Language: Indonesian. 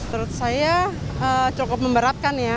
menurut saya cukup memberatkan ya